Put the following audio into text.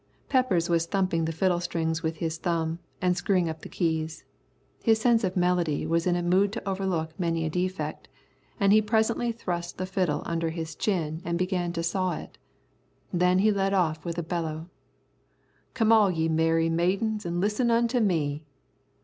Peppers was thumping the fiddle strings with his thumb, and screwing up the keys. His sense of melody was in a mood to overlook many a defect, and he presently thrust the fiddle under his chin and began to saw it. Then he led off with a bellow, "Come all ye merry maidens an' listen unto me."